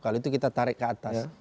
kalau itu kita tarik ke atas